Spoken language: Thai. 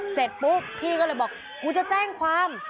เสร็จปุ๊บพี่ก็เลยบอกกูจะแจ้งความ